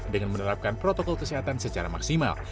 dengan menerapkan protokol kesehatan secara maksimal